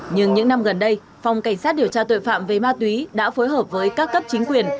nhưng những năm gần đây phòng cảnh sát điều tra tội phạm về ma túy đã phối hợp với các cấp chính quyền